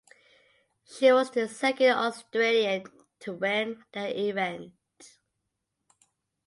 She was the second Australian to win the event.